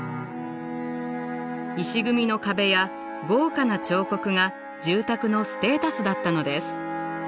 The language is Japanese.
石組みの壁や豪華な彫刻が住宅のステータスだったのです。